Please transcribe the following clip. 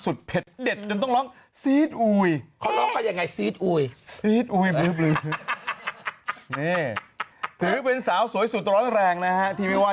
สุดเผ็ดเด็ดจนต้องร้องซี๊ดอู๋ยบึ้บถือเป็นสาวสวยสุดร้อนแรงนะฮะทีไม่ว่า